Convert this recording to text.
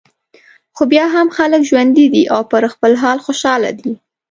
خو بیا هم خلک ژوندي دي او پر خپل حال خوشاله دي.